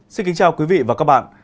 xin kính chào quý vị và các bạn